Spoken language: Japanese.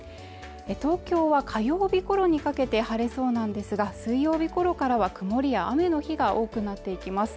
東京は火曜日ごろにかけて晴れそうなんですが水曜日ごろからは曇りや雨の日が多くなっていきます